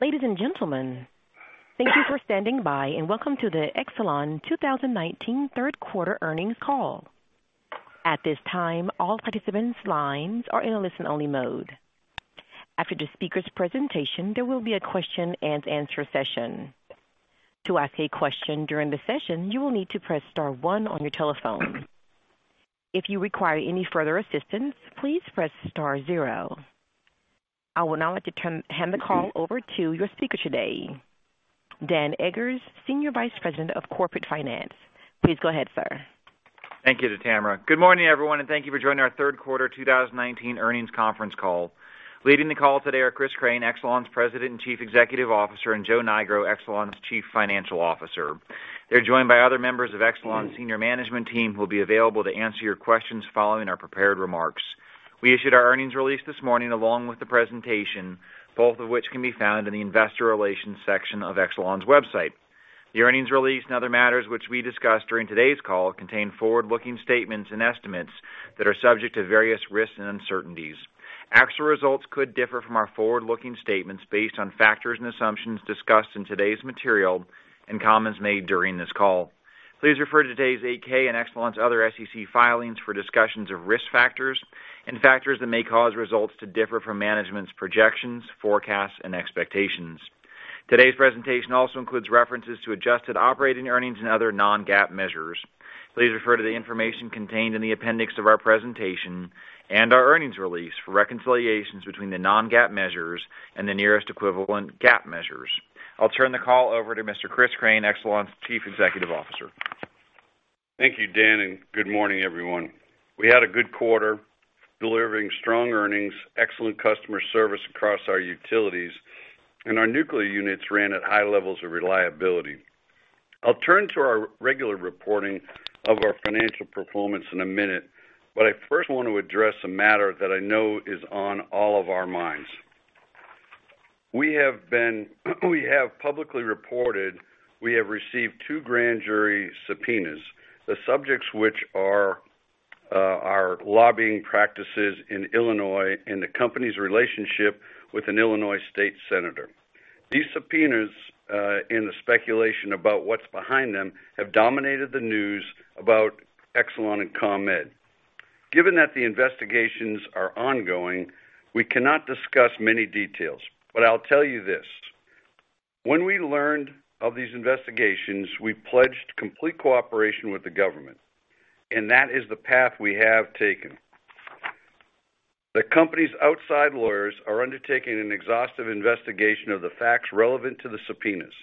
Ladies and gentlemen, thank you for standing by, and welcome to the Exelon 2019 third quarter earnings call. At this time, all participants' lines are in a listen-only mode. After the speaker's presentation, there will be a question-and-answer session. To ask a question during the session, you will need to press star one on your telephone. If you require any further assistance, please press star zero. I would now like to hand the call over to your speaker today, Daniel Eggers, Senior Vice President of Corporate Finance. Please go ahead, sir. Thank you, Tamara. Good morning, everyone, and thank you for joining our third quarter 2019 earnings conference call. Leading the call today are Chris Crane, Exelon's President and Chief Executive Officer, and Joe Nigro, Exelon's Chief Financial Officer. They're joined by other members of Exelon's senior management team, who will be available to answer your questions following our prepared remarks. We issued our earnings release this morning, along with the presentation, both of which can be found in the investor relations section of Exelon's website. The earnings release and other matters which we discuss during today's call contain forward-looking statements and estimates that are subject to various risks and uncertainties. Actual results could differ from our forward-looking statements based on factors and assumptions discussed in today's material and comments made during this call. Please refer to today's 8-K and Exelon's other SEC filings for discussions of risk factors and factors that may cause results to differ from management's projections, forecasts, and expectations. Today's presentation also includes references to adjusted operating earnings and other non-GAAP measures. Please refer to the information contained in the appendix of our presentation and our earnings release for reconciliations between the non-GAAP measures and the nearest equivalent GAAP measures. I'll turn the call over to Mr. Chris Crane, Exelon's Chief Executive Officer. Thank you, Dan, and good morning, everyone. We had a good quarter, delivering strong earnings, excellent customer service across our utilities, and our nuclear units ran at high levels of reliability. I'll turn to our regular reporting of our financial performance in a minute, but I first want to address a matter that I know is on all of our minds. We have publicly reported we have received two grand jury subpoenas, the subjects which are our lobbying practices in Illinois and the company's relationship with an Illinois state senator. These subpoenas, and the speculation about what's behind them, have dominated the news about Exelon and ComEd. Given that the investigations are ongoing, we cannot discuss many details. I'll tell you this. When we learned of these investigations, we pledged complete cooperation with the government, and that is the path we have taken. The company's outside lawyers are undertaking an exhaustive investigation of the facts relevant to the subpoenas.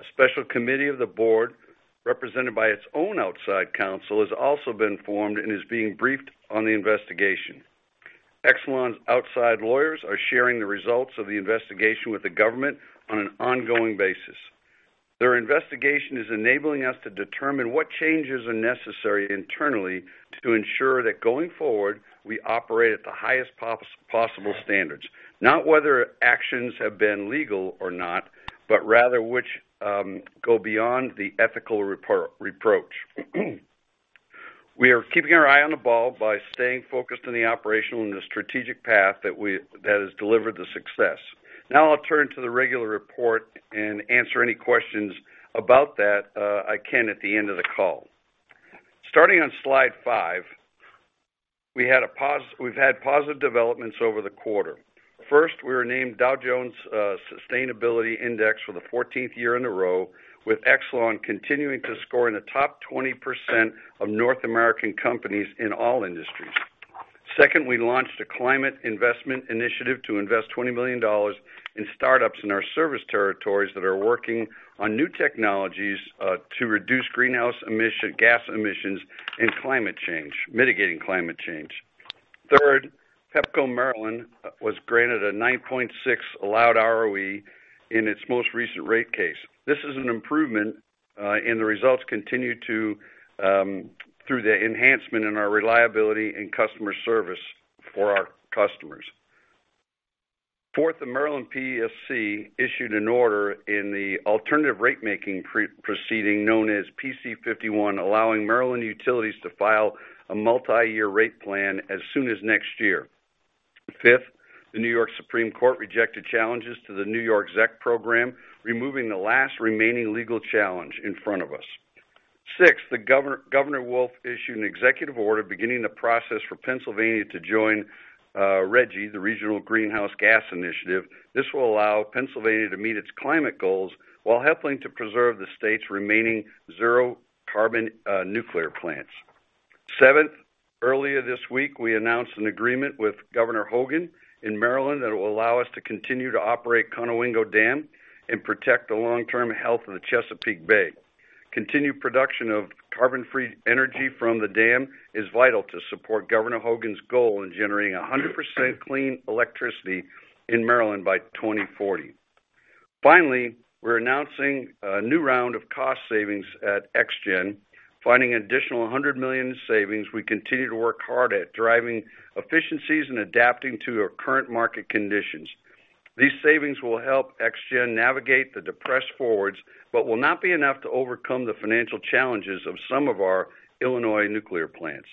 A special committee of the board, represented by its own outside counsel, has also been formed and is being briefed on the investigation. Exelon's outside lawyers are sharing the results of the investigation with the government on an ongoing basis. Their investigation is enabling us to determine what changes are necessary internally to ensure that going forward, we operate at the highest possible standards. Not whether actions have been legal or not, but rather which go beyond the ethical reproach. We are keeping our eye on the ball by staying focused on the operational and the strategic path that has delivered the success. I'll turn to the regular report and answer any questions about that I can at the end of the call. Starting on slide five, we've had positive developments over the quarter. First, we were named Dow Jones Sustainability Index for the 14th year in a row, with Exelon continuing to score in the top 20% of North American companies in all industries. Second, we launched a climate investment initiative to invest $20 million in startups in our service territories that are working on new technologies to reduce greenhouse gas emissions and mitigating climate change. Third, Pepco Maryland was granted a 9.6% allowed ROE in its most recent rate case. This is an improvement, and the results continue through the enhancement in our reliability and customer service for our customers. Fourth, the Maryland PSC issued an order in the alternative rate-making proceeding known as PC51, allowing Maryland utilities to file a multi-year rate plan as soon as next year. Fifth, the New York Supreme Court rejected challenges to the New York ZEC program, removing the last remaining legal challenge in front of us. Sixth, Governor Wolf issued an executive order beginning the process for Pennsylvania to join RGGI, the Regional Greenhouse Gas Initiative. This will allow Pennsylvania to meet its climate goals while helping to preserve the state's remaining zero carbon nuclear plants. Seventh, earlier this week, we announced an agreement with Governor Hogan in Maryland that will allow us to continue to operate Conowingo Dam and protect the long-term health of the Chesapeake Bay. Continued production of carbon-free energy from the dam is vital to support Governor Hogan's goal in generating 100% clean electricity in Maryland by 2040. Finally, we're announcing a new round of cost savings at ExGen, finding an additional $100 million in savings. We continue to work hard at driving efficiencies and adapting to our current market conditions. These savings will help ExGen navigate the depressed forwards, but will not be enough to overcome the financial challenges of some of our Illinois nuclear plants.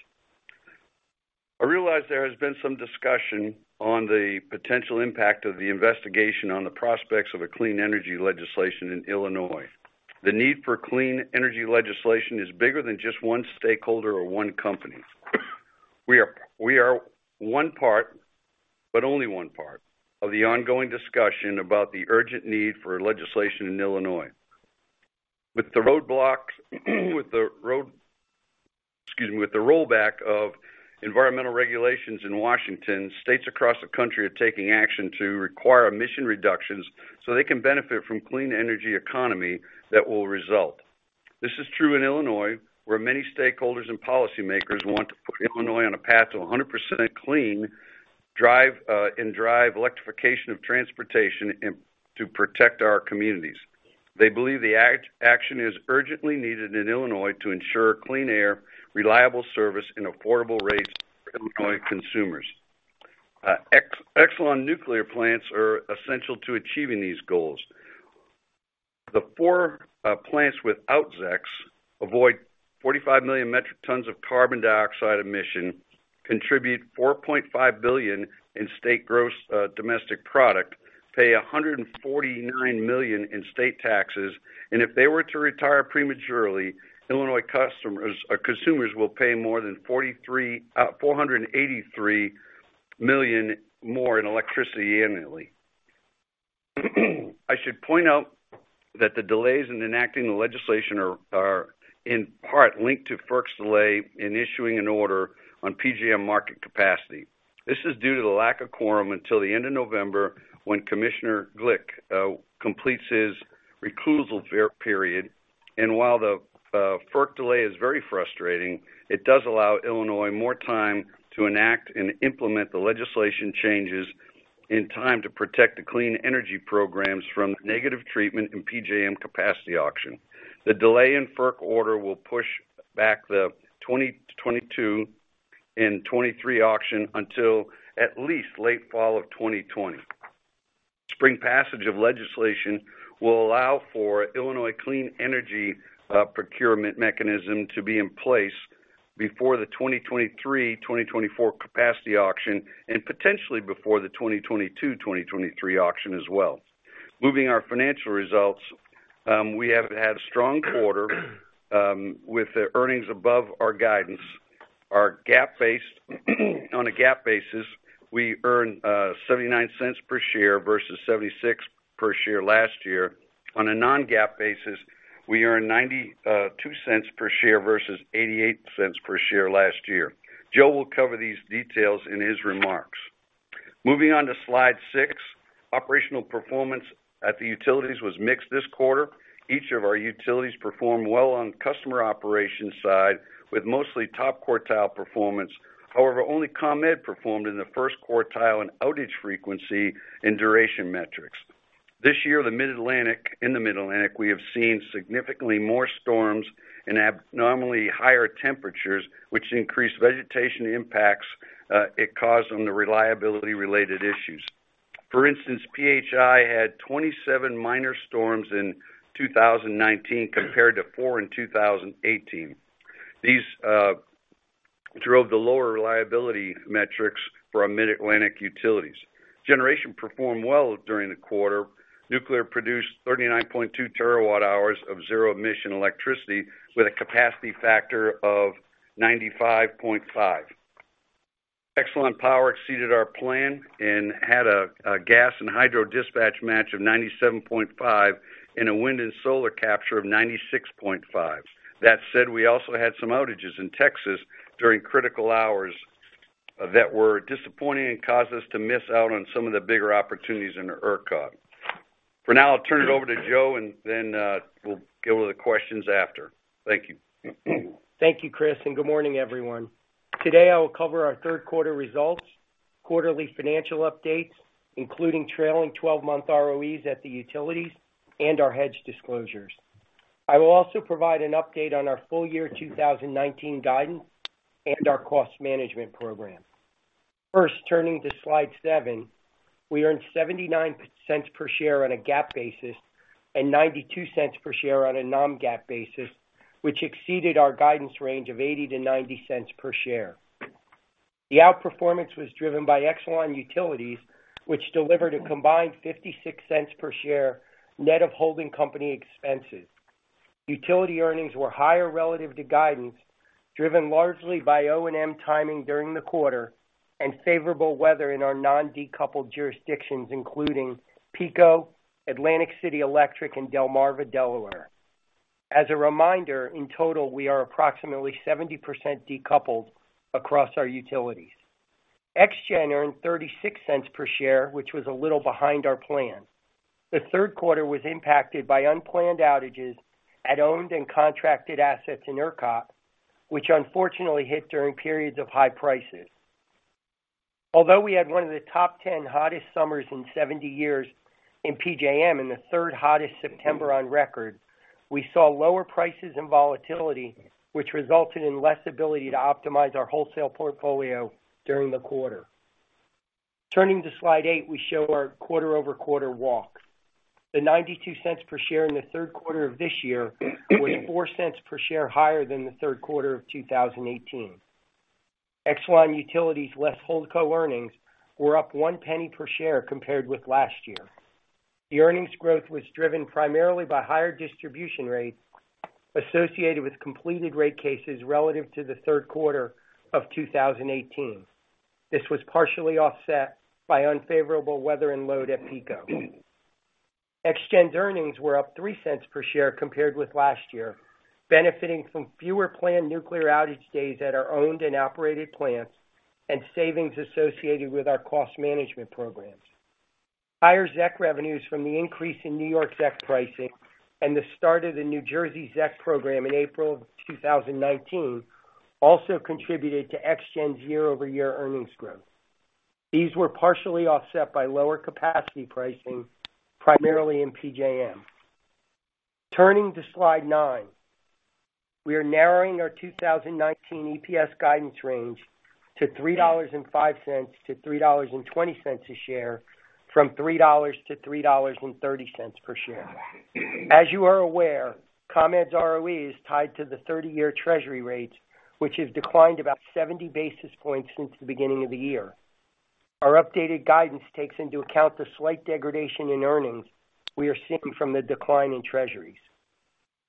I realize there has been some discussion on the potential impact of the investigation on the prospects of a clean energy legislation in Illinois. The need for clean energy legislation is bigger than just one stakeholder or one company. We are one part, but only one part of the ongoing discussion about the urgent need for legislation in Illinois. With the roadblock, excuse me. With the rollback of environmental regulations in Washington, states across the country are taking action to require emission reductions so they can benefit from clean energy economy that will result. This is true in Illinois, where many stakeholders and policymakers want to put Illinois on a path to 100% clean and drive electrification of transportation and to protect our communities. They believe the action is urgently needed in Illinois to ensure clean air, reliable service, and affordable rates for Illinois consumers. Exelon nuclear plants are essential to achieving these goals. The four plants without ZECs avoid 45 million metric tons of carbon dioxide emission, contribute $4.5 billion in state gross domestic product, pay $149 million in state taxes, and if they were to retire prematurely, Illinois consumers will pay more than $483 million more in electricity annually. I should point out that the delays in enacting the legislation are in part linked to FERC's delay in issuing an order on PJM market capacity. This is due to the lack of quorum until the end of November when Commissioner Glick completes his recusal period. While the FERC delay is very frustrating, it does allow Illinois more time to enact and implement the legislation changes in time to protect the clean energy programs from negative treatment in PJM capacity auction. The delay in FERC order will push back the 2022 and 2023 auction until at least late fall of 2020. Spring passage of legislation will allow for Illinois clean energy procurement mechanism to be in place before the 2023-2024 capacity auction, and potentially before the 2022-2023 auction as well. Moving our financial results, we have had a strong quarter with the earnings above our guidance. On a GAAP basis, we earned $0.79 per share versus $0.76 per share last year. On a non-GAAP basis, we earned $0.92 per share versus $0.88 per share last year. Joe will cover these details in his remarks. Moving on to slide six. Operational performance at the Utilities was mixed this quarter. Each of our Utilities performed well on customer operations side with mostly top quartile performance. Only ComEd performed in the first quartile in outage frequency and duration metrics. This year in the Mid-Atlantic, we have seen significantly more storms and abnormally higher temperatures, which increased vegetation impacts. It caused some of the reliability-related issues. PHI had 27 minor storms in 2019 compared to four in 2018. These drove the lower reliability metrics for our Mid-Atlantic Utilities. Generation performed well during the quarter. Nuclear produced 39.2 terawatt hours of zero-emission electricity with a capacity factor of 95.5. Exelon Power exceeded our plan and had a gas and hydro dispatch match of 97.5 and a wind and solar capture of 96.5. That said, we also had some outages in Texas during critical hours that were disappointing and caused us to miss out on some of the bigger opportunities in the ERCOT. For now, I'll turn it over to Joe, and then we'll go to the questions after. Thank you. Thank you, Chris, and good morning, everyone. Today, I will cover our third quarter results, quarterly financial updates, including trailing 12-month ROEs at the utilities, and our hedge disclosures. I will also provide an update on our full year 2019 guidance and our cost management program. First, turning to slide seven. We earned $0.79 per share on a GAAP basis and $0.92 per share on a non-GAAP basis, which exceeded our guidance range of $0.80 to $0.90 per share. The outperformance was driven by Exelon Utilities, which delivered a combined $0.56 per share net of holding company expenses. Utility earnings were higher relative to guidance, driven largely by O&M timing during the quarter and favorable weather in our non-decoupled jurisdictions, including PECO, Atlantic City Electric, and Delmarva Power. As a reminder, in total, we are approximately 70% decoupled across our utilities. ExGen earned $0.36 per share, which was a little behind our plan. The third quarter was impacted by unplanned outages at owned and contracted assets in ERCOT, which unfortunately hit during periods of high prices. Although we had one of the top 10 hottest summers in 70 years in PJM, in the third hottest September on record, we saw lower prices and volatility, which resulted in less ability to optimize our wholesale portfolio during the quarter. Turning to slide eight, we show our quarter-over-quarter walk. The $0.92 per share in the third quarter of this year was $0.04 per share higher than the third quarter of 2018. Exelon Utilities, less holdco earnings, were up $0.01 per share compared with last year. The earnings growth was driven primarily by higher distribution rates associated with completed rate cases relative to the third quarter of 2018. This was partially offset by unfavorable weather and load at PECO. ExGen's earnings were up $0.03 per share compared with last year, benefiting from fewer planned nuclear outage days at our owned and operated plants, and savings associated with our cost management programs. Higher ZEC revenues from the increase in New York ZEC pricing and the start of the New Jersey ZEC program in April of 2019 also contributed to ExGen's year-over-year earnings growth. These were partially offset by lower capacity pricing, primarily in PJM. Turning to slide nine. We are narrowing our 2019 EPS guidance range to $3.05-$3.20 a share from $3-$3.30 per share. As you are aware, ComEd's ROE is tied to the 30-year Treasury rates, which has declined about 70 basis points since the beginning of the year. Our updated guidance takes into account the slight degradation in earnings we are seeing from the decline in Treasuries.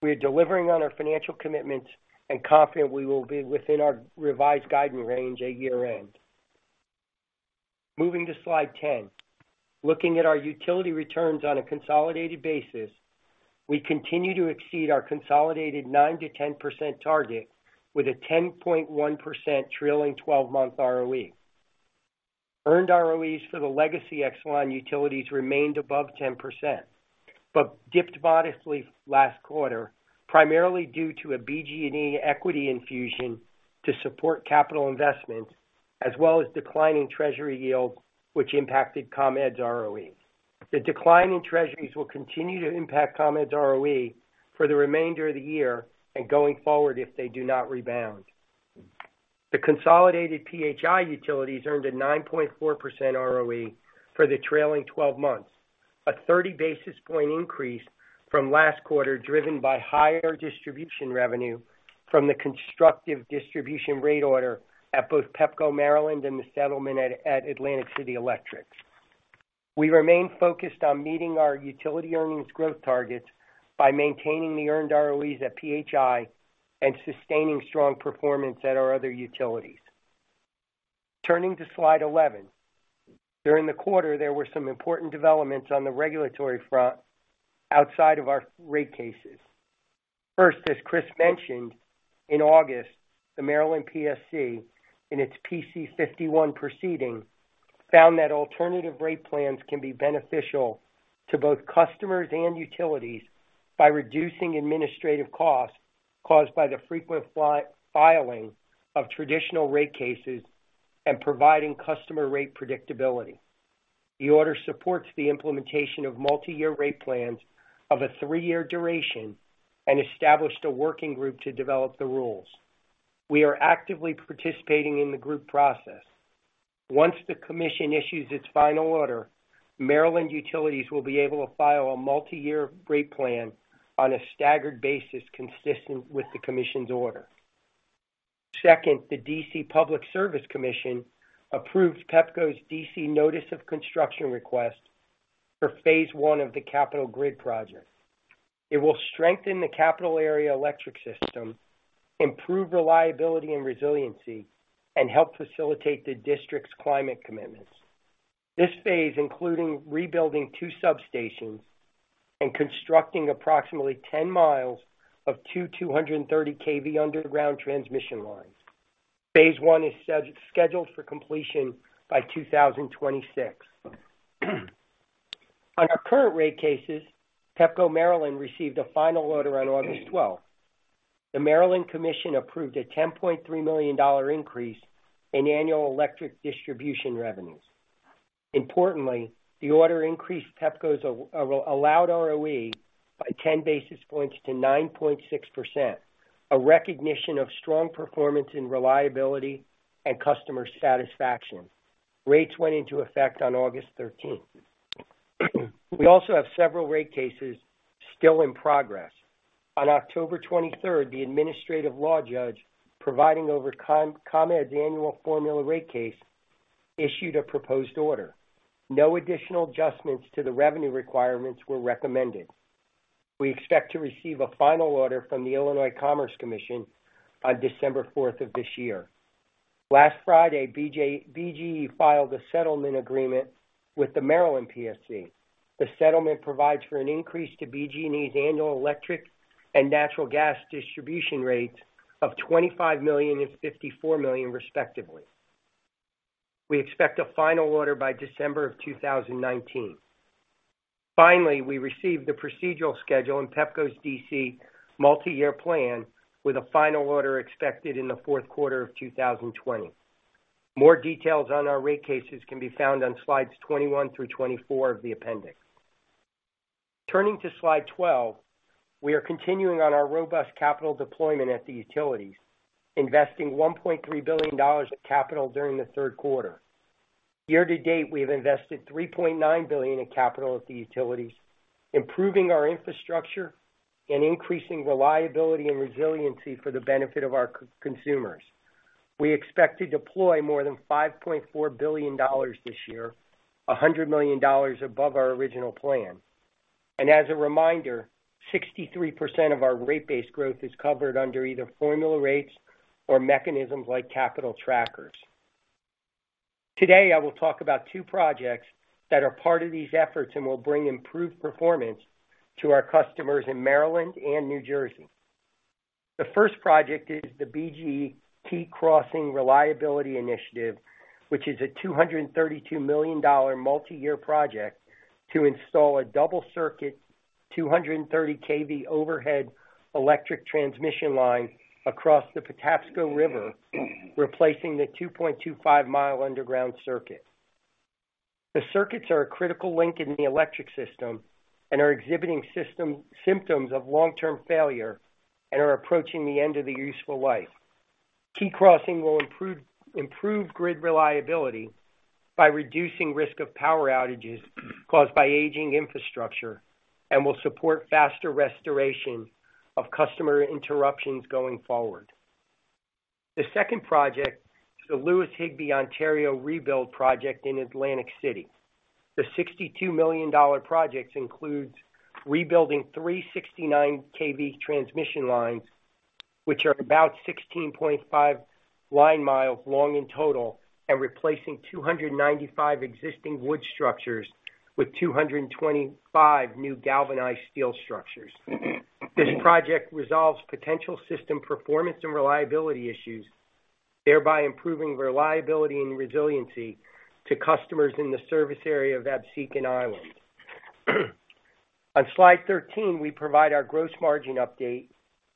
We are delivering on our financial commitments and confident we will be within our revised guidance range at year-end. Moving to slide 10. Looking at our utility returns on a consolidated basis, we continue to exceed our consolidated 9%-10% target with a 10.1% trailing 12-month ROE. Earned ROEs for the legacy Exelon Utilities remained above 10%, but dipped modestly last quarter, primarily due to a BGE equity infusion to support capital investments, as well as declining Treasury yields, which impacted ComEd's ROE. The decline in Treasuries will continue to impact ComEd's ROE for the remainder of the year and going forward if they do not rebound. The consolidated PHI utilities earned a 9.4% ROE for the trailing 12 months, a 30-basis-point increase from last quarter, driven by higher distribution revenue from the constructive distribution rate order at both Pepco Maryland and the settlement at Atlantic City Electric. We remain focused on meeting our utility earnings growth targets by maintaining the earned ROEs at PHI and sustaining strong performance at our other utilities. Turning to slide 11. During the quarter, there were some important developments on the regulatory front outside of our rate cases. First, as Chris mentioned, in August, the Maryland PSC, in its PC51 proceeding, found that alternative rate plans can be beneficial to both customers and utilities by reducing administrative costs caused by the frequent filing of traditional rate cases and providing customer rate predictability. The order supports the implementation of multi-year rate plans of a three-year duration and established a working group to develop the rules. We are actively participating in the group process. Once the commission issues its final order, Maryland utilities will be able to file a multi-year rate plan on a staggered basis consistent with the commission's order. Second, the D.C. Public Service Commission approved Pepco's D.C. notice of construction request for phase 1 of the Capital Grid Project. It will strengthen the Capital area electric system, improve reliability and resiliency, and help facilitate the district's climate commitments. This phase, including rebuilding 2 substations and constructing approximately 10 miles of 2 230 kV underground transmission lines. Phase 1 is scheduled for completion by 2026. On our current rate cases, Pepco Maryland received a final order on August 12th. The Maryland Commission approved a $10.3 million increase in annual electric distribution revenues. Importantly, the order increased Pepco's allowed ROE by 10 basis points to 9.6%, a recognition of strong performance in reliability and customer satisfaction. Rates went into effect on August 13th. We also have several rate cases still in progress. On October 23rd, the administrative law judge, providing over ComEd's annual formula rate case, issued a proposed order. No additional adjustments to the revenue requirements were recommended. We expect to receive a final order from the Illinois Commerce Commission on December 4th of this year. Last Friday, BGE filed a settlement agreement with the Maryland PSC. The settlement provides for an increase to BGE's annual electric and natural gas distribution rates of $25 million and $54 million, respectively. We expect a final order by December of 2019. Finally, we received the procedural schedule in Pepco's D.C. multi-year plan with a final order expected in the fourth quarter of 2020. More details on our rate cases can be found on slides 21 through 24 of the appendix. Turning to slide 12, we are continuing on our robust capital deployment at the utilities, investing $1.3 billion of capital during the third quarter. Year-to-date, we have invested $3.9 billion in capital at the utilities, improving our infrastructure and increasing reliability and resiliency for the benefit of our consumers. We expect to deploy more than $5.4 billion this year, $100 million above our original plan. As a reminder, 63% of our rate base growth is covered under either formula rates or mechanisms like capital trackers. Today, I will talk about two projects that are part of these efforts and will bring improved performance to our customers in Maryland and New Jersey. The first project is the BGE Key Crossing Reliability Initiative, which is a $232 million multi-year project to install a double circuit, 230 kV overhead electric transmission line across the Patapsco River, replacing the 2.25-mile underground circuit. The circuits are a critical link in the electric system and are exhibiting symptoms of long-term failure and are approaching the end of their useful life. Key Crossing will improve grid reliability by reducing risk of power outages caused by aging infrastructure and will support faster restoration of customer interruptions going forward. The second project is the Lewis Higbee-Ontario Rebuild Project in Atlantic City. The $62 million project includes rebuilding three 69 kV transmission lines, which are about 16.5 line miles long in total, and replacing 295 existing wood structures with 225 new galvanized steel structures. This project resolves potential system performance and reliability issues, thereby improving reliability and resiliency to customers in the service area of Absecon Island. On slide 13, we provide our gross margin update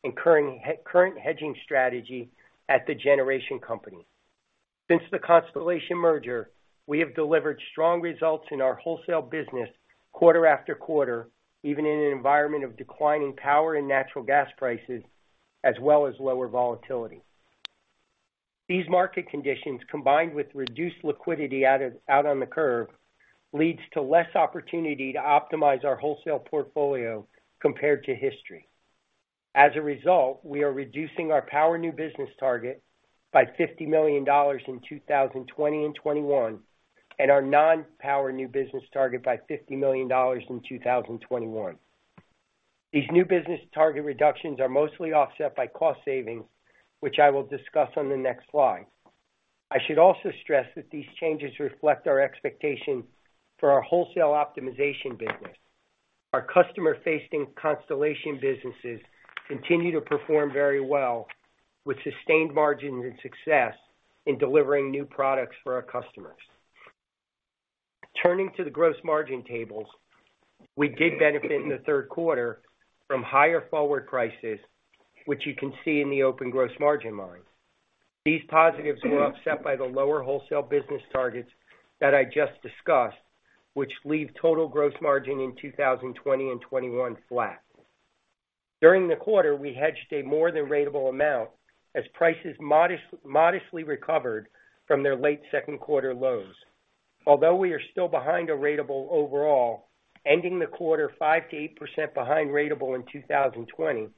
and current hedging strategy at the generation company. Since the Constellation merger, we have delivered strong results in our wholesale business quarter after quarter, even in an environment of declining power and natural gas prices, as well as lower volatility. These market conditions, combined with reduced liquidity out on the curve, leads to less opportunity to optimize our wholesale portfolio compared to history. As a result, we are reducing our power new business target by $50 million in 2020 and 2021, and our non-power new business target by $50 million in 2021. These new business target reductions are mostly offset by cost savings, which I will discuss on the next slide. I should also stress that these changes reflect our expectation for our wholesale optimization business. Our customer-facing Constellation businesses continue to perform very well, with sustained margins and success in delivering new products for our customers. Turning to the gross margin tables, we did benefit in the third quarter from higher forward prices, which you can see in the open gross margin line. These positives were offset by the lower wholesale business targets that I just discussed, which leave total gross margin in 2020 and 2021 flat. During the quarter, we hedged a more than ratable amount as prices modestly recovered from their late second quarter lows. Although we are still behind a ratable overall, ending the quarter 5%-8% behind ratable in 2020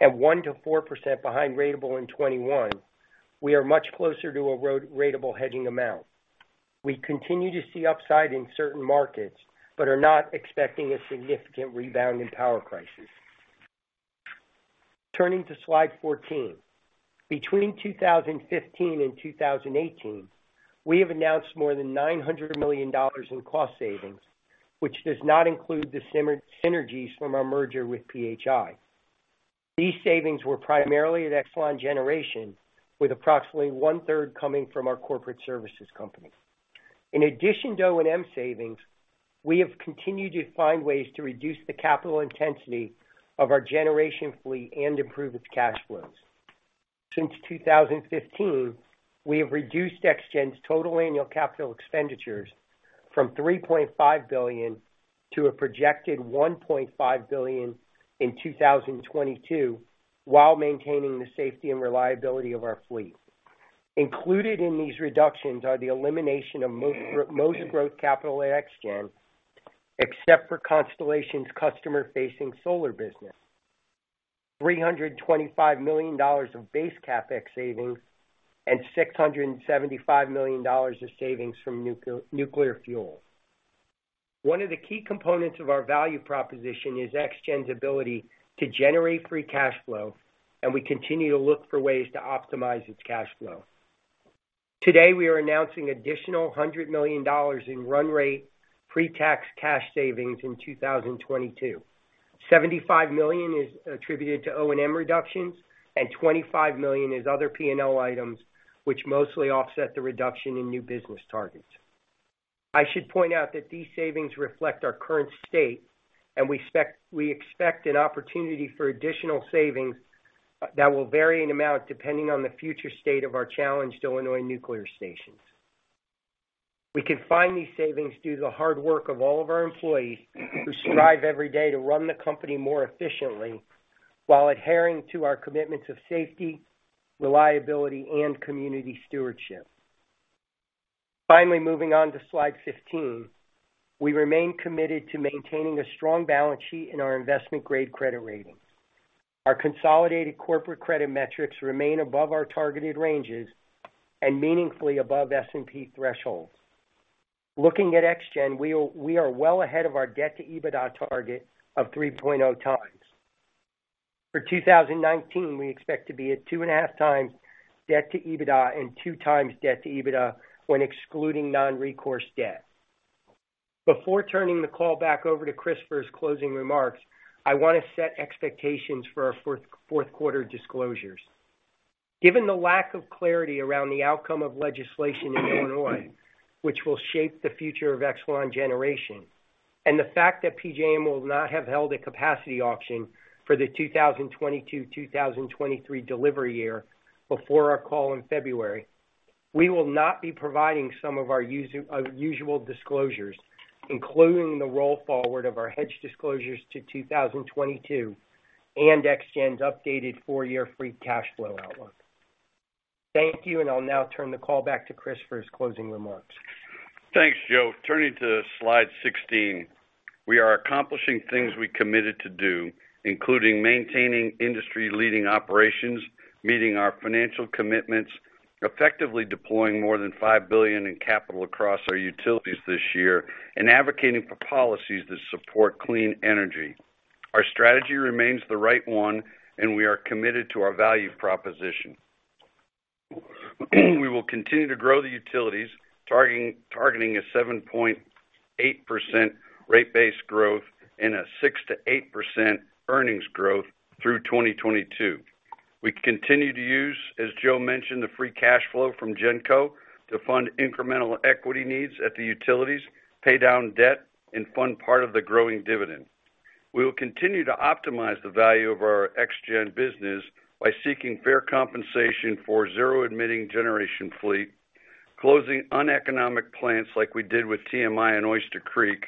and 1%-4% behind ratable in 2021, we are much closer to a ratable hedging amount. We continue to see upside in certain markets but are not expecting a significant rebound in power prices. Turning to slide 14. Between 2015 and 2018, we have announced more than $900 million in cost savings, which does not include the synergies from our merger with PHI. These savings were primarily at Exelon Generation, with approximately one-third coming from our corporate services company. In addition to O&M savings, we have continued to find ways to reduce the capital intensity of our generation fleet and improve its cash flows. Since 2015, we have reduced ExGen's total annual capital expenditures from $3.5 billion to a projected $1.5 billion in 2022 while maintaining the safety and reliability of our fleet. Included in these reductions are the elimination of most growth capital at ExGen, except for Constellation's customer-facing solar business, $325 million of base CapEx savings, and $675 million of savings from nuclear fuel. One of the key components of our value proposition is ExGen's ability to generate free cash flow. We continue to look for ways to optimize its cash flow. Today, we are announcing additional $100 million in run rate pre-tax cash savings in 2022. $75 million is attributed to O&M reductions. $25 million is other P&L items, which mostly offset the reduction in new business targets. I should point out that these savings reflect our current state. We expect an opportunity for additional savings that will vary in amount depending on the future state of our challenged Illinois nuclear stations. We can find these savings through the hard work of all of our employees who strive every day to run the company more efficiently while adhering to our commitments of safety, reliability, and community stewardship. Moving on to slide 15. We remain committed to maintaining a strong balance sheet in our investment-grade credit rating. Our consolidated corporate credit metrics remain above our targeted ranges and meaningfully above S&P thresholds. Looking at ExGen, we are well ahead of our debt to EBITDA target of 3.0 times. For 2019, we expect to be at two and a half times debt to EBITDA and two times debt to EBITDA when excluding non-recourse debt. Before turning the call back over to Chris for his closing remarks, I want to set expectations for our fourth quarter disclosures. Given the lack of clarity around the outcome of legislation in Illinois, which will shape the future of Exelon Generation, and the fact that PJM will not have held a capacity auction for the 2022-2023 delivery year before our call in February, we will not be providing some of our usual disclosures, including the roll forward of our hedge disclosures to 2022 and ExGen's updated four-year free cash flow outlook. Thank you, and I'll now turn the call back to Chris for his closing remarks. Thanks, Joe. Turning to slide 16. We are accomplishing things we committed to do, including maintaining industry-leading operations, meeting our financial commitments, effectively deploying more than $5 billion in capital across our utilities this year, and advocating for policies that support clean energy. Our strategy remains the right one, and we are committed to our value proposition. We will continue to grow the utilities, targeting a 7.8% rate base growth and a 6%-8% earnings growth through 2022. We continue to use, as Joe mentioned, the free cash flow from Exelon Generation to fund incremental equity needs at the utilities, pay down debt, and fund part of the growing dividend. We will continue to optimize the value of our ExGen business by seeking fair compensation for zero-emitting generation fleet, closing uneconomic plants like we did with TMI and Oyster Creek,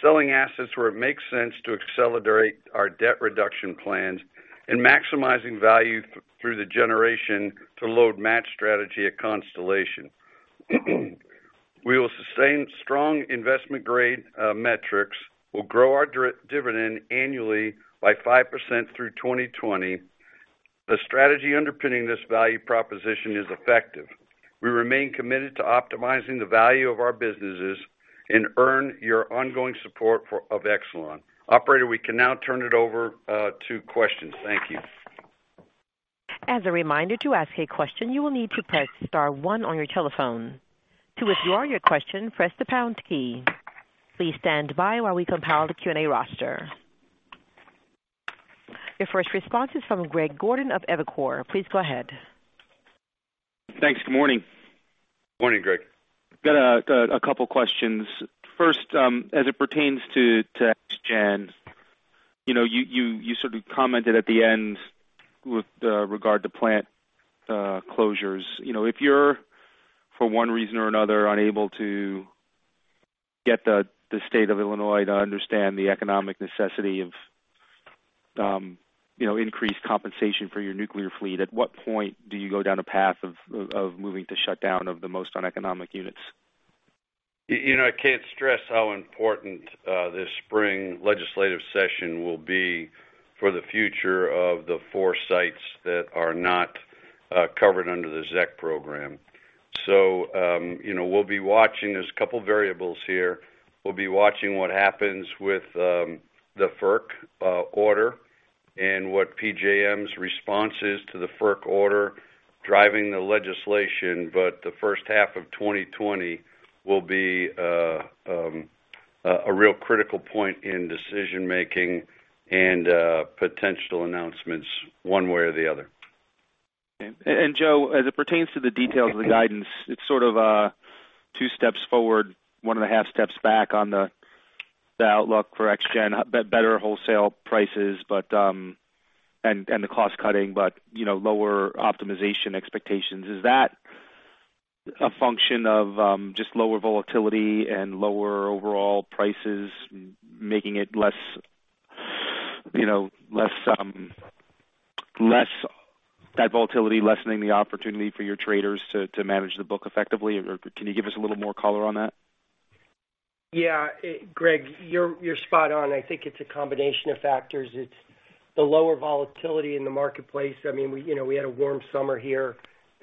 selling assets where it makes sense to accelerate our debt reduction plans, and maximizing value through the generation to load match strategy at Constellation. We will sustain strong investment-grade metrics. We'll grow our dividend annually by 5% through 2020. The strategy underpinning this value proposition is effective. We remain committed to optimizing the value of our businesses and earn your ongoing support of Exelon. Operator, we can now turn it over to questions. Thank you. As a reminder, to ask a question, you will need to press star one on your telephone. To withdraw your question, press the pound key. Please stand by while we compile the Q&A roster. Your first response is from Greg Gordon of Evercore. Please go ahead. Thanks. Good morning. Morning, Greg. Got a couple of questions. First, as it pertains to ExGen. You sort of commented at the end with regard to plant closures. If you're, for one reason or another, unable to get the state of Illinois to understand the economic necessity of increased compensation for your nuclear fleet, at what point do you go down a path of moving to shut down of the most uneconomic units? I can't stress how important this spring legislative session will be for the future of the four sites that are not covered under the ZEC program. We'll be watching. There's a couple of variables here. We'll be watching what happens with the FERC order and what PJM's response is to the FERC order driving the legislation. The first half of 2020 will be a real critical point in decision-making and potential announcements one way or the other. Joe, as it pertains to the details of the guidance, it's sort of two steps forward, one and a half steps back on the outlook for ExGen. Better wholesale prices and the cost-cutting, but lower optimization expectations. Is that a function of just lower volatility and lower overall prices, that volatility lessening the opportunity for your traders to manage the book effectively? Or can you give us a little more color on that? Yeah. Greg, you're spot on. I think it's a combination of factors. It's the lower volatility in the marketplace. We had a warm summer here,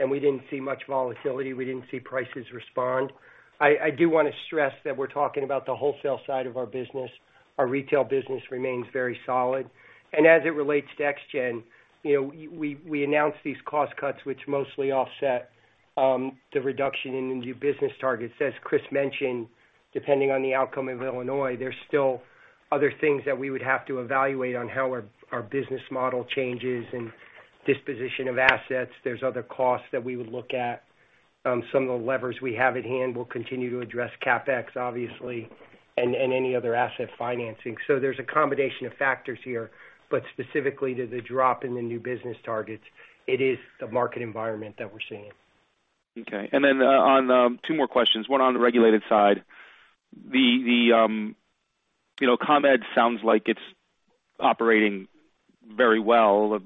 we didn't see much volatility. We didn't see prices respond. I do want to stress that we're talking about the wholesale side of our business. Our retail business remains very solid. As it relates to ExGen, we announced these cost cuts, which mostly offset the reduction in the new business targets. As Chris mentioned, depending on the outcome of Illinois, there's still other things that we would have to evaluate on how our business model changes and disposition of assets. There's other costs that we would look at. Some of the levers we have at hand will continue to address CapEx, obviously, and any other asset financing. There's a combination of factors here, but specifically to the drop in the new business targets, it is the market environment that we're seeing. Okay. Two more questions, one on the regulated side. ComEd sounds like it's operating very well,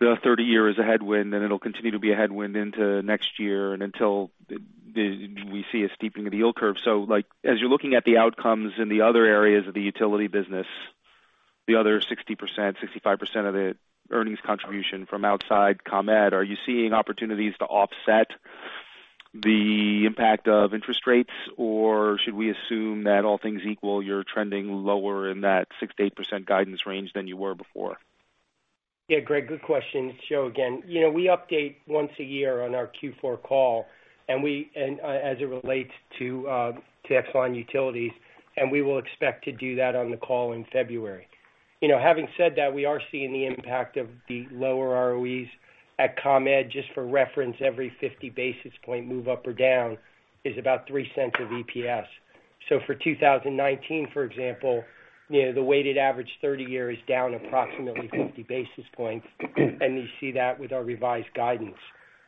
the 30-year is a headwind, and it'll continue to be a headwind into next year and until we see a steeping of the yield curve. As you're looking at the outcomes in the other areas of the utility business, the other 60%, 65% of the earnings contribution from outside ComEd, are you seeing opportunities to offset the impact of interest rates, or should we assume that all things equal, you're trending lower in that 6%-8% guidance range than you were before? Yeah, Greg, good question. It's Joe again. We update once a year on our Q4 call as it relates to Exelon Utilities. We will expect to do that on the call in February. Having said that, we are seeing the impact of the lower ROEs at ComEd. Just for reference, every 50 basis points move up or down is about $0.03 of EPS. For 2019, for example, the weighted average 30-year is down approximately 50 basis points. You see that with our revised guidance.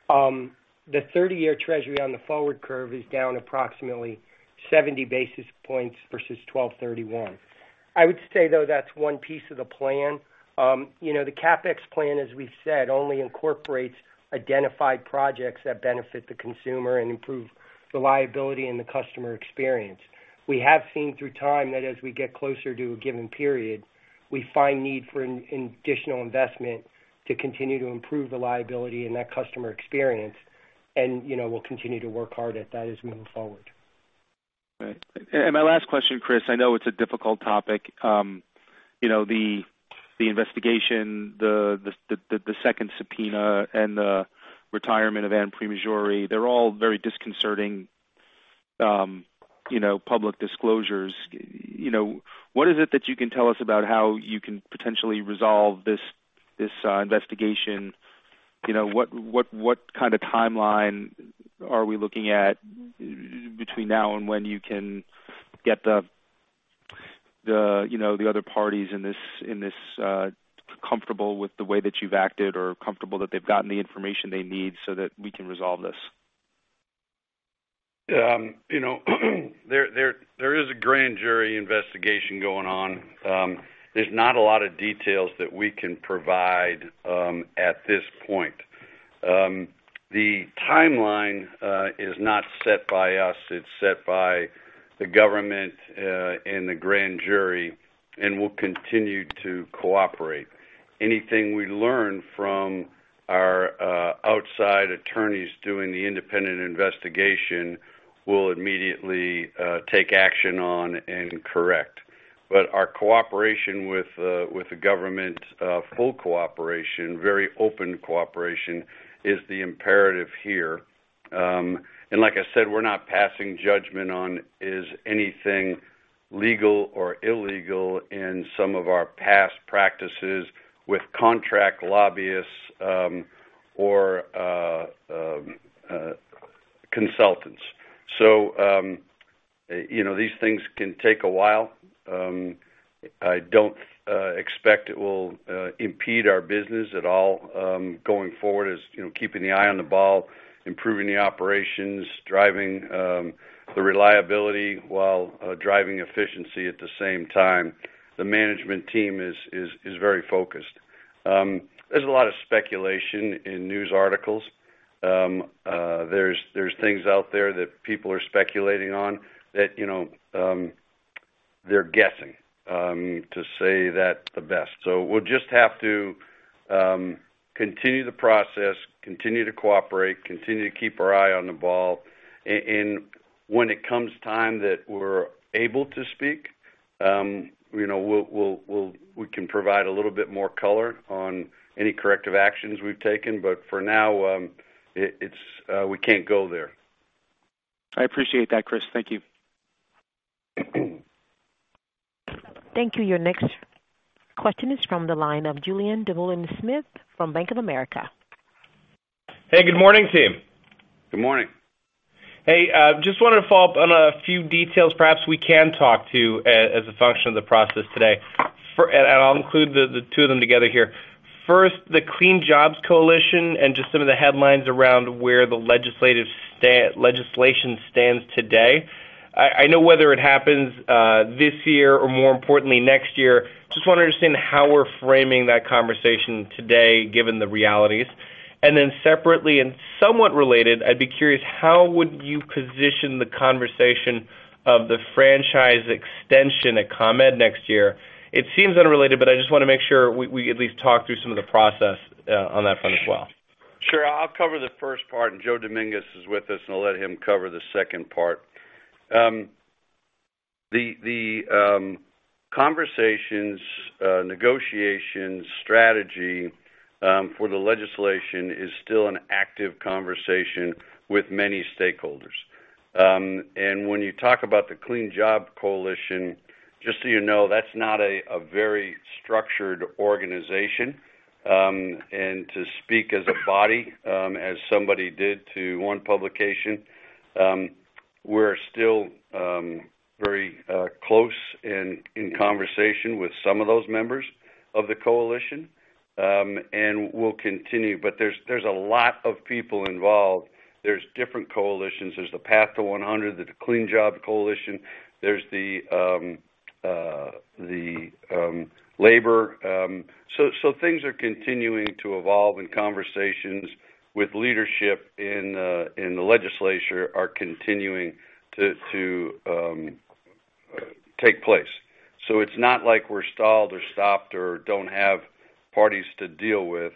The 30-year treasury on the forward curve is down approximately 70 basis points versus 12/31. I would say, though, that's one piece of the plan. The CapEx plan, as we've said, only incorporates identified projects that benefit the consumer and improve the reliability and the customer experience. We have seen through time that as we get closer to a given period, we find need for additional investment to continue to improve the reliability and that customer experience, and we'll continue to work hard at that as we move forward. Right. My last question, Chris, I know it's a difficult topic. The investigation, the second subpoena, and the retirement of Anne Pramaggiore, they're all very disconcerting public disclosures. What is it that you can tell us about how you can potentially resolve this investigation? What kind of timeline are we looking at between now and when you can get the other parties in this comfortable with the way that you've acted or comfortable that they've gotten the information they need so that we can resolve this? There is a grand jury investigation going on. There's not a lot of details that we can provide at this point. The timeline is not set by us. It's set by the government and the grand jury. We'll continue to cooperate. Anything we learn from our outside attorneys doing the independent investigation, we'll immediately take action on and correct. Our cooperation with the government, full cooperation, very open cooperation, is the imperative here. Like I said, we're not passing judgment on is anything legal or illegal in some of our past practices with contract lobbyists or consultants. These things can take a while. I don't expect it will impede our business at all going forward, as keeping the eye on the ball, improving the operations, driving the reliability while driving efficiency at the same time. The management team is very focused. There's a lot of speculation in news articles. There's things out there that people are speculating on that they're guessing, to say that the best. We'll just have to continue the process, continue to cooperate, continue to keep our eye on the ball. When it comes time that we're able to speak, we can provide a little bit more color on any corrective actions we've taken. For now, we can't go there. I appreciate that, Chris. Thank you. Thank you. Your next question is from the line of Julien Dumoulin-Smith from Bank of America. Hey, good morning, team. Good morning. Just wanted to follow up on a few details perhaps we can talk to as a function of the process today, and I'll include the two of them together here. First, the Clean Jobs Coalition and just some of the headlines around where the legislation stands today. I know whether it happens this year or more importantly next year, just want to understand how we're framing that conversation today, given the realities. Separately and somewhat related, I'd be curious, how would you position the conversation of the franchise extension at ComEd next year? It seems unrelated, I just want to make sure we at least talk through some of the process on that front as well. Sure. I'll cover the first part. Joe Dominguez is with us, I'll let him cover the second part. The conversations, negotiations, strategy for the legislation is still an active conversation with many stakeholders. When you talk about the Clean Jobs Coalition, just so you know, that's not a very structured organization. To speak as a body, as somebody did to one publication, we're still very close and in conversation with some of those members of the coalition, we'll continue. There's a lot of people involved. There's different coalitions. There's the Path to 100, the Clean Jobs Coalition, there's the labor. Things are continuing to evolve, conversations with leadership in the legislature are continuing to take place. It's not like we're stalled or stopped or don't have parties to deal with.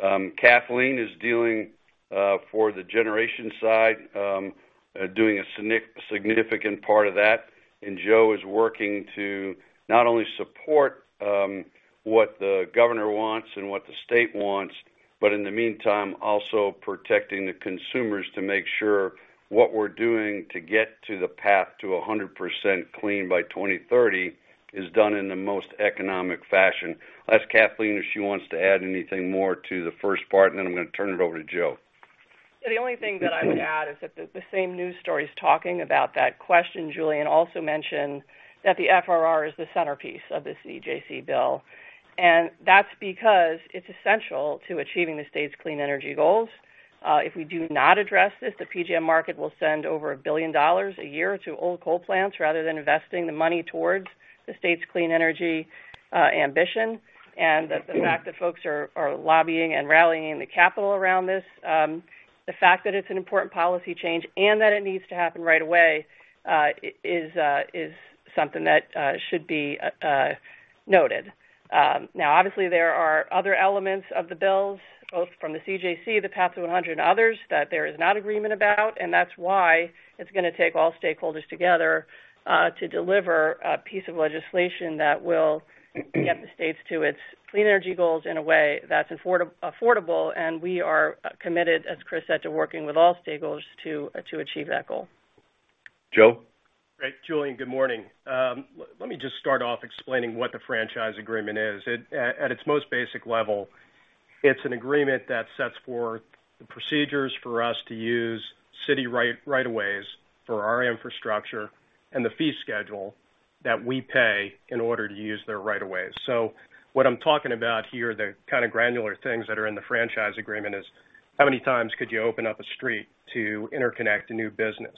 Kathleen is dealing for the generation side, doing a significant part of that, and Joe is working to not only support what the governor wants and what the state wants, but in the meantime, also protecting the consumers to make sure what we're doing to get to the path to 100% clean by 2030 is done in the most economic fashion. I'll ask Kathleen if she wants to add anything more to the first part, and then I'm going to turn it over to Joe. The only thing that I would add is that the same news stories talking about that question, Julien, also mentioned that the FRR is the centerpiece of the CJC bill. That's because it's essential to achieving the state's clean energy goals. If we do not address this, the PJM market will send over $1 billion a year to old coal plants rather than investing the money towards the state's clean energy ambition. The fact that folks are lobbying and rallying the capital around this, the fact that it's an important policy change and that it needs to happen right away, is something that should be noted. Obviously, there are other elements of the bills, both from the CJC, the Path to 100, and others, that there is not agreement about, that's why it's going to take all stakeholders together to deliver a piece of legislation that will get the state to its clean energy goals in a way that's affordable. We are committed, as Chris said, to working with all stakeholders to achieve that goal. Joe? Great. Julien, good morning. Let me just start off explaining what the franchise agreement is. At its most basic level, it's an agreement that sets forth the procedures for us to use city right-of-ways for our infrastructure and the fee schedule that we pay in order to use their right-of-way. What I'm talking about here, the kind of granular things that are in the franchise agreement, is how many times could you open up a street to interconnect a new business,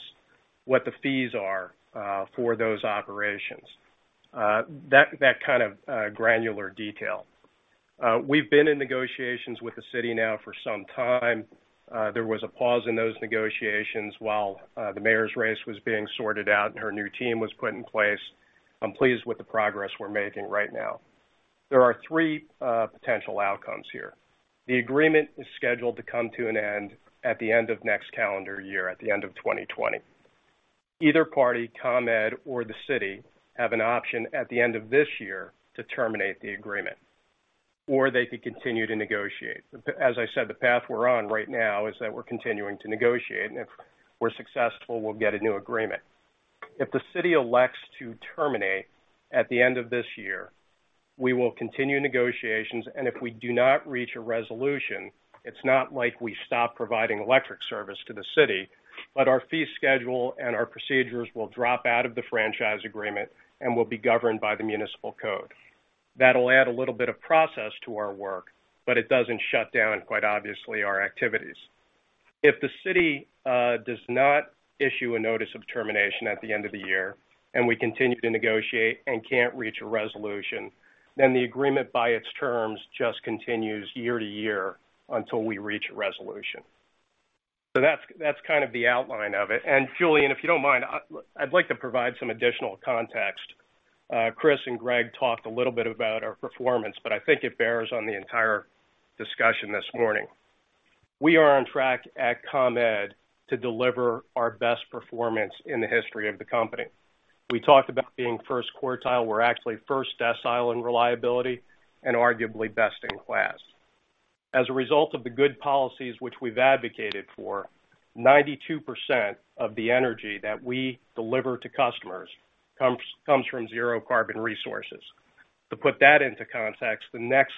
what the fees are for those operations. That kind of granular detail. We've been in negotiations with the city now for some time. There was a pause in those negotiations while the mayor's race was being sorted out and her new team was put in place. I'm pleased with the progress we're making right now. There are three potential outcomes here. The agreement is scheduled to come to an end at the end of next calendar year, at the end of 2020. Either party, ComEd or the city, have an option at the end of this year to terminate the agreement. They could continue to negotiate. As I said, the path we're on right now is that we're continuing to negotiate, and if we're successful, we'll get a new agreement. If the city elects to terminate at the end of this year, we will continue negotiations, and if we do not reach a resolution, it's not like we stop providing electric service to the city, but our fee schedule and our procedures will drop out of the franchise agreement and will be governed by the municipal code. That'll add a little bit of process to our work, but it doesn't shut down, quite obviously, our activities. If the city does not issue a notice of termination at the end of the year and we continue to negotiate and can't reach a resolution, then the agreement by its terms just continues year to year until we reach a resolution. That's kind of the outline of it. Julien, if you don't mind, I'd like to provide some additional context. Chris and Greg talked a little bit about our performance, but I think it bears on the entire discussion this morning. We are on track at ComEd to deliver our best performance in the history of the company. We talked about being first quartile. We're actually first decile in reliability and arguably best in class. As a result of the good policies which we've advocated for, 92% of the energy that we deliver to customers comes from zero carbon resources. To put that into context, the next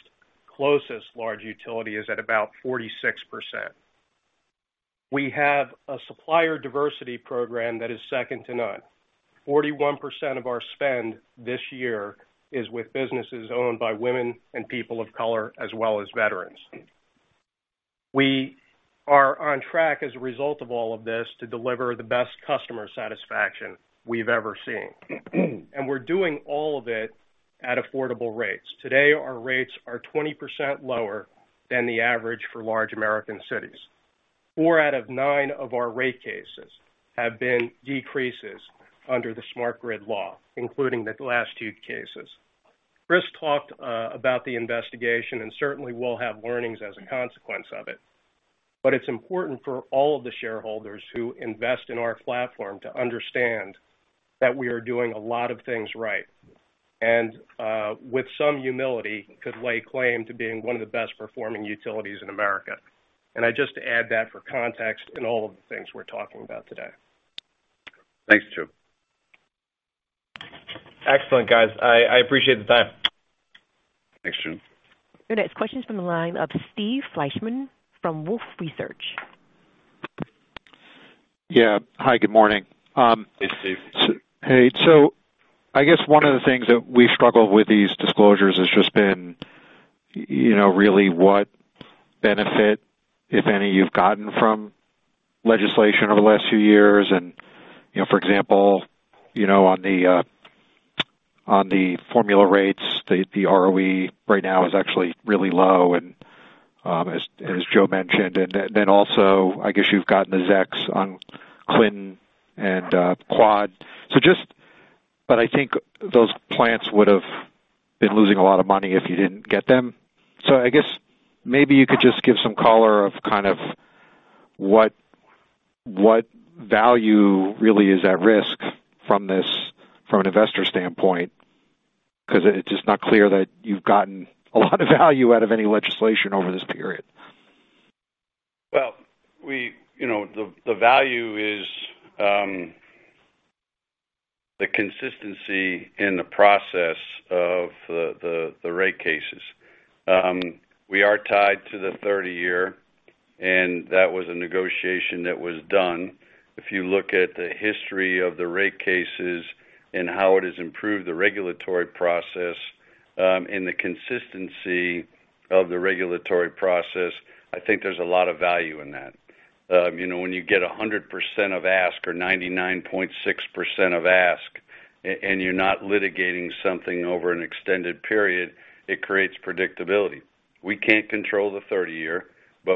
closest large utility is at about 46%. We have a supplier diversity program that is second to none. 41% of our spend this year is with businesses owned by women and people of color, as well as veterans. We are on track, as a result of all of this, to deliver the best customer satisfaction we've ever seen. We're doing all of it at affordable rates. Today, our rates are 20% lower than the average for large American cities. Four out of nine of our rate cases have been decreases under the Smart Grid law, including the last two cases. Chris talked about the investigation, certainly we'll have learnings as a consequence of it. It's important for all of the shareholders who invest in our platform to understand that we are doing a lot of things right. With some humility, could lay claim to being one of the best performing utilities in America. I just add that for context in all of the things we're talking about today. Thanks, Joe. Excellent, guys. I appreciate the time. Thanks, Julien. Your next question's from the line of Steve Fleishman from Wolfe Research. Yeah. Hi, good morning. Hey, Steve. Hey. I guess one of the things that we've struggled with these disclosures has just been really what benefit, if any, you've gotten from legislation over the last few years and, for example, on the formula rates, the ROE right now is actually really low, and as Joe mentioned, and then also, I guess you've gotten the ZECs on Clinton and Quad. I think those plants would have been losing a lot of money if you didn't get them. I guess maybe you could just give some color of what value really is at risk from an investor standpoint, because it's just not clear that you've gotten a lot of value out of any legislation over this period. The value is the consistency in the process of the rate cases. We are tied to the 30-year, and that was a negotiation that was done. If you look at the history of the rate cases and how it has improved the regulatory process, and the consistency of the regulatory process, I think there's a lot of value in that. When you get 100% of ask or 99.6% of ask, and you're not litigating something over an extended period, it creates predictability. We can't control the 30-year,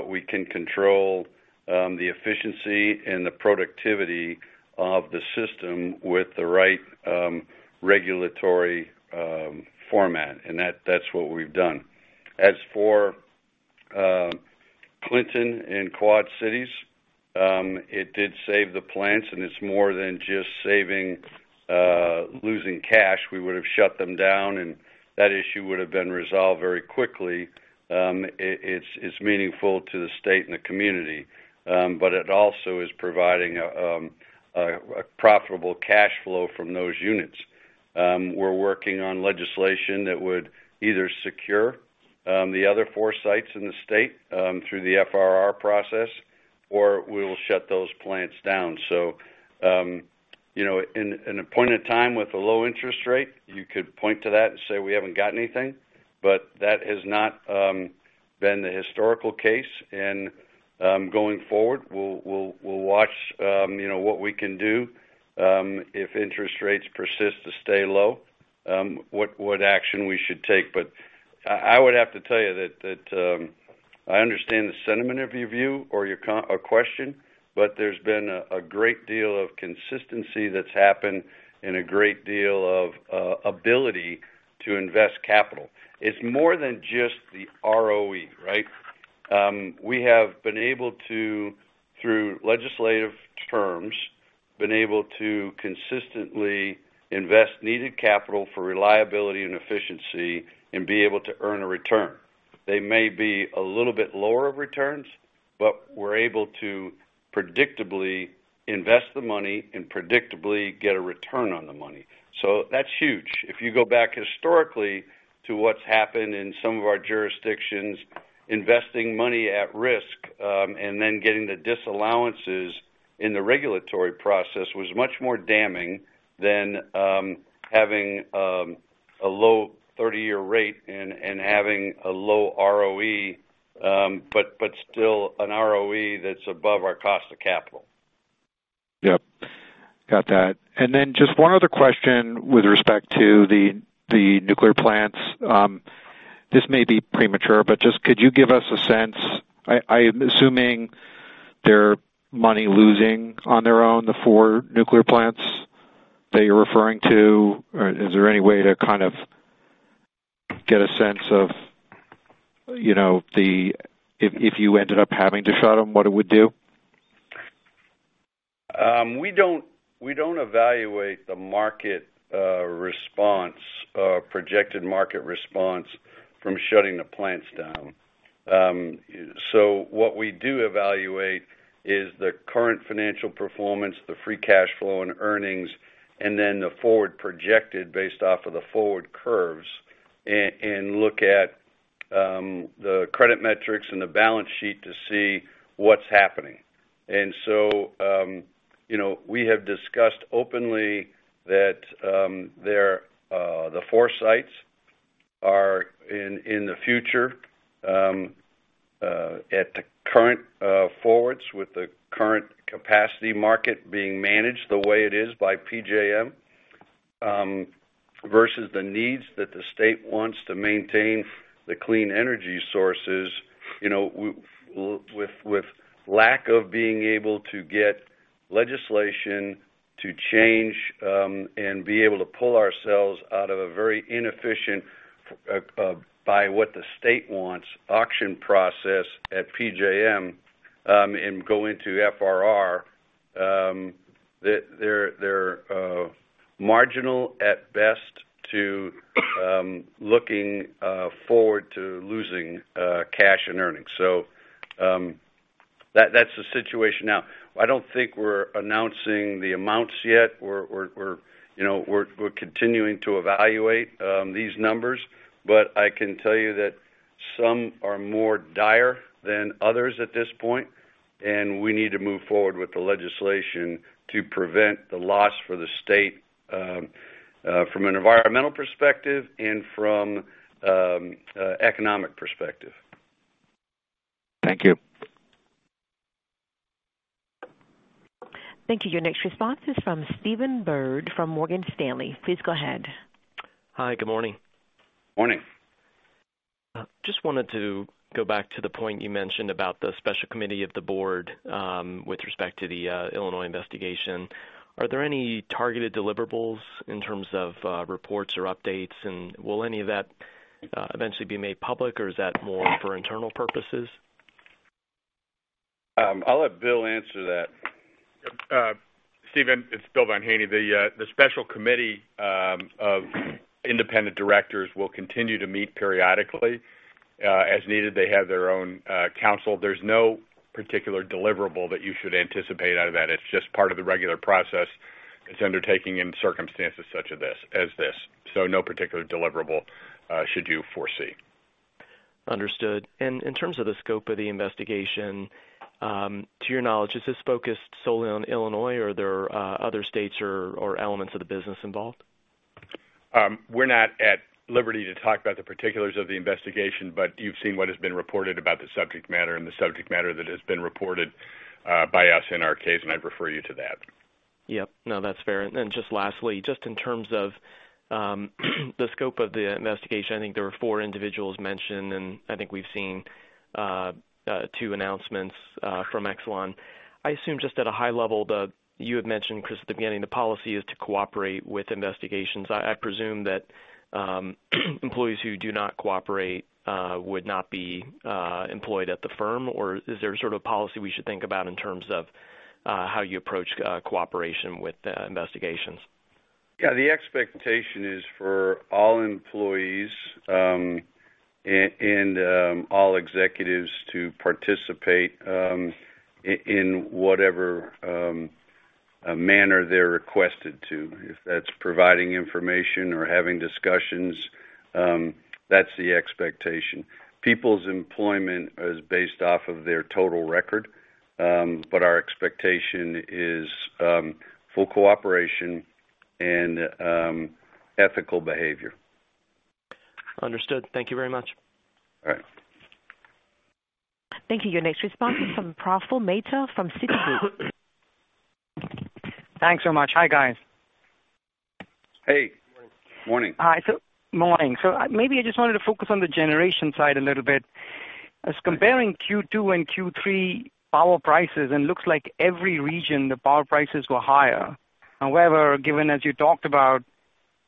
we can control the efficiency and the productivity of the system with the right regulatory format, and that's what we've done. As for Clinton and Quad Cities, it did save the plants, and it's more than just losing cash. We would have shut them down, and that issue would have been resolved very quickly. It's meaningful to the state and the community. It also is providing a profitable cash flow from those units. We're working on legislation that would either secure the other four sites in the state through the FRR process, or we will shut those plants down. In a point in time with a low interest rate, you could point to that and say we haven't gotten anything, but that has not been the historical case. Going forward, we'll watch what we can do if interest rates persist to stay low, what action we should take. I would have to tell you that I understand the sentiment of your view or your question, but there's been a great deal of consistency that's happened and a great deal of ability to invest capital. It's more than just the ROE, right? We have, through legislative terms, been able to consistently invest needed capital for reliability and efficiency and be able to earn a return. They may be a little bit lower of returns, but we're able to predictably invest the money and predictably get a return on the money. That's huge. If you go back historically to what's happened in some of our jurisdictions, investing money at risk, and then getting the disallowances in the regulatory process was much more damning than having a low 30-year rate and having a low ROE but still an ROE that's above our cost of capital. Yep. Got that. Just one other question with respect to the nuclear plants. This may be premature, just could you give us a sense? I am assuming they're money-losing on their own, the four nuclear plants that you're referring to. Is there any way to get a sense of if you ended up having to shut them, what it would do? We don't evaluate the projected market response from shutting the plants down. What we do evaluate is the current financial performance, the free cash flow, and earnings, and then the forward projected based off of the forward curves, and look at the credit metrics and the balance sheet to see what's happening. We have discussed openly that the four sites are in the future at the current forwards with the current capacity market being managed the way it is by PJM, versus the needs that the state wants to maintain the clean energy sources. With lack of being able to get legislation to change, and be able to pull ourselves out of a very inefficient, by what the state wants, auction process at PJM, and go into FRR- They're marginal at best to looking forward to losing cash and earnings. That's the situation now. I don't think we're announcing the amounts yet. We're continuing to evaluate these numbers. I can tell you that some are more dire than others at this point, and we need to move forward with the legislation to prevent the loss for the state from an environmental perspective and from economic perspective. Thank you. Thank you. Your next response is from Stephen Byrd from Morgan Stanley. Please go ahead. Hi. Good morning. Morning. Just wanted to go back to the point you mentioned about the special committee of the board with respect to the Illinois investigation. Are there any targeted deliverables in terms of reports or updates, and will any of that eventually be made public, or is that more for internal purposes? I'll let Bill answer that. Stephen, it's William Von Hoene. The special committee of independent directors will continue to meet periodically. As needed, they have their own counsel. There is no particular deliverable that you should anticipate out of that. It's just part of the regular process that's undertaking in circumstances such as this. No particular deliverable should you foresee. Understood. In terms of the scope of the investigation, to your knowledge, is this focused solely on Illinois, or are there other states or elements of the business involved? We're not at liberty to talk about the particulars of the investigation. You've seen what has been reported about the subject matter and the subject matter that has been reported by us in our case. I'd refer you to that. Yep. No, that's fair. Just lastly, just in terms of the scope of the investigation, I think there were four individuals mentioned, I think we've seen two announcements from Exelon. I assume, just at a high level, you had mentioned, Chris, at the beginning, the policy is to cooperate with investigations. I presume that employees who do not cooperate would not be employed at the firm. Is there a sort of policy we should think about in terms of how you approach cooperation with investigations? Yeah, the expectation is for all employees and all executives to participate in whatever manner they're requested to, if that's providing information or having discussions, that's the expectation. People's employment is based off of their total record, but our expectation is full cooperation and ethical behavior. Understood. Thank you very much. All right. Thank you. Your next response is from Praful Mehta from Citigroup. Thanks so much. Hi, guys. Hey. Morning. Morning. Maybe I just wanted to focus on the generation side a little bit. I was comparing Q2 and Q3 power prices, and looks like every region, the power prices were higher. However, given as you talked about,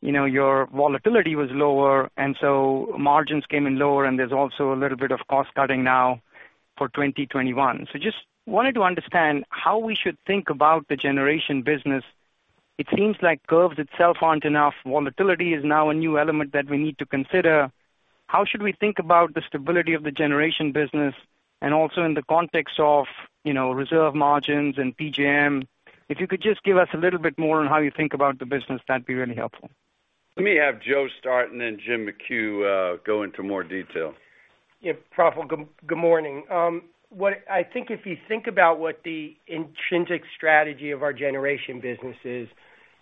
your volatility was lower, and so margins came in lower, and there's also a little bit of cost-cutting now for 2021. Just wanted to understand how we should think about the generation business. It seems like curves itself aren't enough. Volatility is now a new element that we need to consider. How should we think about the stability of the generation business and also in the context of reserve margins and PJM? If you could just give us a little bit more on how you think about the business, that'd be really helpful. Let me have Joe start, and then James McHugh go into more detail. Praful, good morning. I think if you think about what the intrinsic strategy of our generation business is,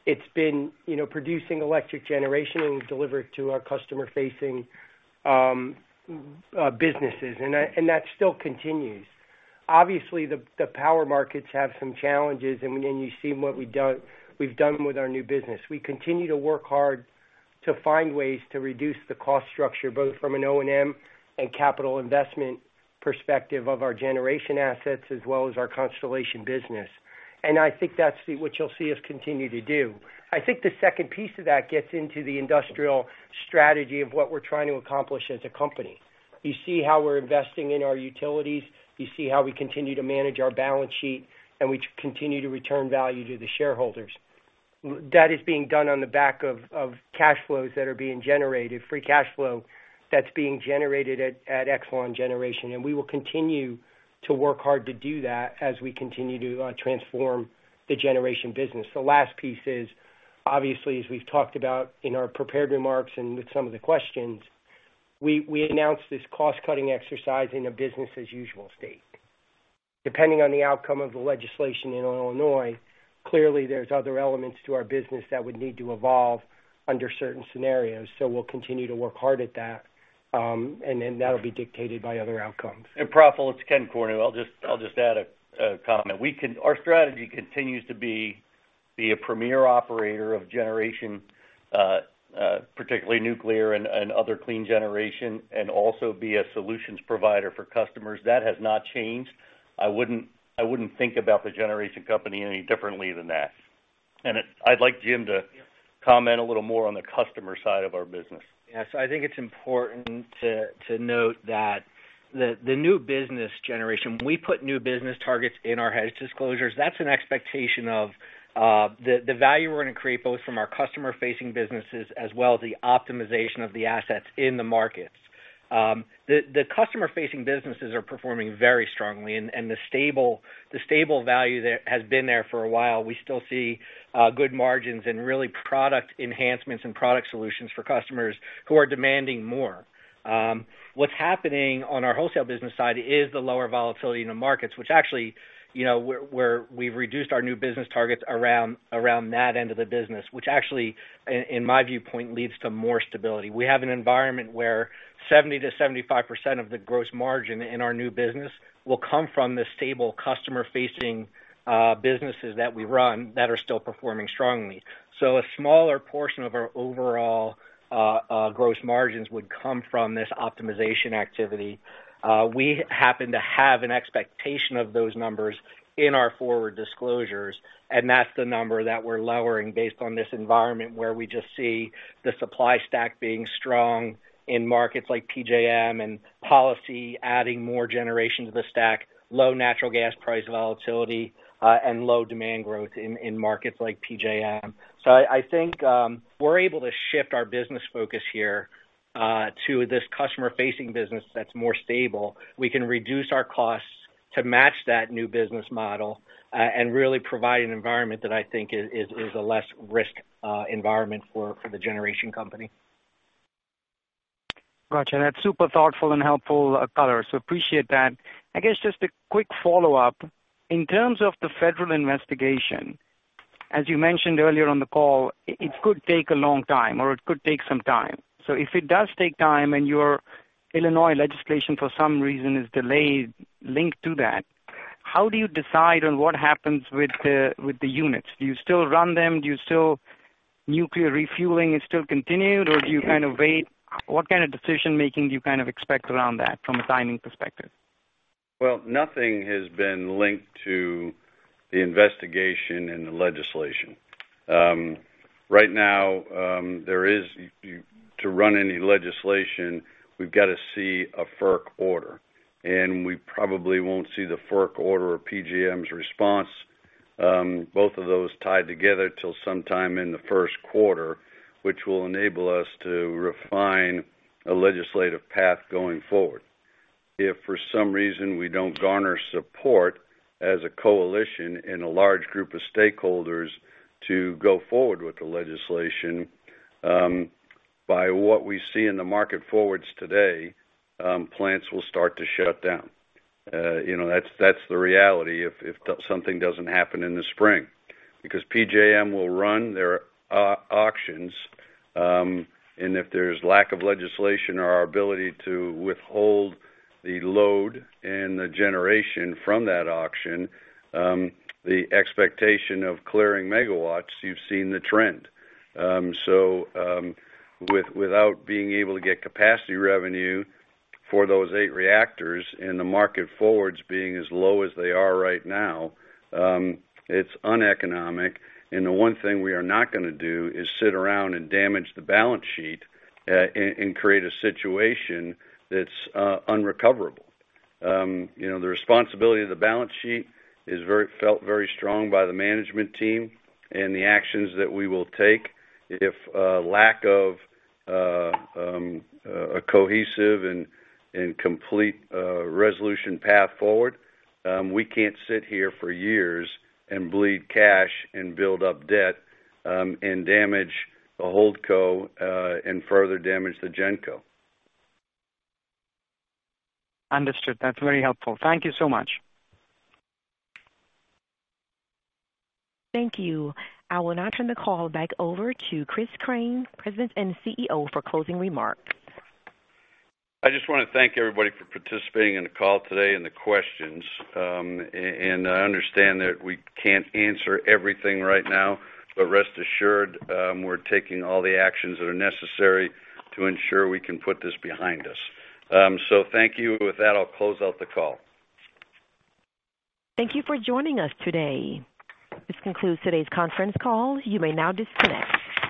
it's been producing electric generation and delivering to our customer-facing businesses, and that still continues. Obviously, the power markets have some challenges, and then you've seen what we've done with our new business. We continue to work hard to find ways to reduce the cost structure, both from an O&M and capital investment perspective of our generation assets as well as our Constellation business. I think that's what you'll see us continue to do. I think the second piece of that gets into the industrial strategy of what we're trying to accomplish as a company. You see how we're investing in our Utilities, you see how we continue to manage our balance sheet, and we continue to return value to the shareholders. That is being done on the back of cash flows that are being generated, free cash flow that's being generated at Exelon Generation, and we will continue to work hard to do that as we continue to transform the generation business. The last piece is obviously, as we've talked about in our prepared remarks and with some of the questions, we announced this cost-cutting exercise in a business as usual state. Depending on the outcome of the legislation in Illinois, clearly there's other elements to our business that would need to evolve under certain scenarios. We'll continue to work hard at that, and then that'll be dictated by other outcomes. Praful, it's Kenneth Cornew. I'll just add a comment. Our strategy continues to be a premier operator of generation, particularly nuclear and other clean generation, and also be a solutions provider for customers. That has not changed. I wouldn't think about the generation company any differently than that. I'd like Jim to comment a little more on the customer side of our business. Yes. I think it's important to note that the new business generation, we put new business targets in our hedge disclosures. That's an expectation of the value we're going to create, both from our customer-facing businesses as well as the optimization of the assets in the markets. The customer-facing businesses are performing very strongly. The stable value that has been there for a while, we still see good margins and really product enhancements and product solutions for customers who are demanding more. What's happening on our wholesale business side is the lower volatility in the markets, which actually, where we've reduced our new business targets around that end of the business. Actually, in my viewpoint, leads to more stability. We have an environment where 70%-75% of the gross margin in our new business will come from the stable customer-facing businesses that we run that are still performing strongly. A smaller portion of our overall gross margins would come from this optimization activity. We happen to have an expectation of those numbers in our forward disclosures, and that's the number that we're lowering based on this environment, where we just see the supply stack being strong in markets like PJM and policy adding more generation to the stack, low natural gas price volatility, and low demand growth in markets like PJM. I think we're able to shift our business focus here to this customer-facing business that's more stable. We can reduce our costs to match that new business model and really provide an environment that I think is a less risk environment for the generation company. Got you. That's super thoughtful and helpful color, so appreciate that. I guess just a quick follow-up. In terms of the federal investigation, as you mentioned earlier on the call, it could take a long time, or it could take some time. If it does take time and your Illinois legislation, for some reason, is delayed linked to that, how do you decide on what happens with the units? Do you still run them? Nuclear refueling is still continued, or do you kind of wait? What kind of decision-making do you kind of expect around that from a timing perspective? Well, nothing has been linked to the investigation and the legislation. Right now, to run any legislation, we've got to see a FERC order, and we probably won't see the FERC order or PJM's response, both of those tied together till sometime in the first quarter, which will enable us to refine a legislative path going forward. If for some reason we don't garner support as a coalition and a large group of stakeholders to go forward with the legislation, by what we see in the market forwards today, plants will start to shut down. That's the reality if something doesn't happen in the spring. PJM will run their auctions, and if there's lack of legislation or our ability to withhold the load and the generation from that auction, the expectation of clearing megawatts, you've seen the trend. Without being able to get capacity revenue for those eight reactors and the market forwards being as low as they are right now, it's uneconomic, and the one thing we are not going to do is sit around and damage the balance sheet and create a situation that's unrecoverable. The responsibility of the balance sheet is felt very strong by the management team and the actions that we will take if lack of a cohesive and complete resolution path forward. We can't sit here for years and bleed cash and build up debt and damage the holdco and further damage the Genco. Understood. That's very helpful. Thank you so much. Thank you. I will now turn the call back over to Chris Crane, President and CEO, for closing remarks. I just want to thank everybody for participating in the call today and the questions. I understand that we can't answer everything right now. Rest assured, we're taking all the actions that are necessary to ensure we can put this behind us. Thank you. With that, I'll close out the call. Thank you for joining us today. This concludes today's conference call. You may now disconnect.